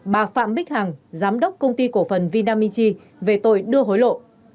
bà phạm bích hằng giám đốc công ty cổ phần vinamichi về tội đưa hối lộ